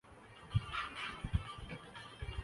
جہاں یہ جانور